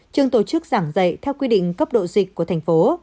trường tổ chức giảng dạy theo quy định cấp độ dịch của thành phố